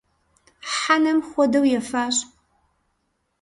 Хьэнэм хуэдэу ефащ.